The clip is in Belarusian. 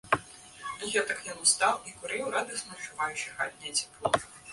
Гэтак ён стаяў і курыў, радасна адчуваючы хатняе цяпло.